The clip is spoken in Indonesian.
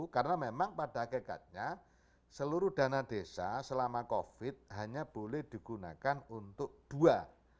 karena memang pada hakikatnya seluruh dana desa selama covid hanya boleh digunakan untuk dua